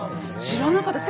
知らなかった！